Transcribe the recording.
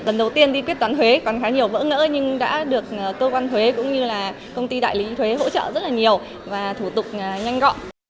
lần đầu tiên đi quyết toán thuế còn khá nhiều vỡ ngỡ nhưng đã được cơ quan thuế cũng như là công ty đại lý thuế hỗ trợ rất là nhiều và thủ tục nhanh gọn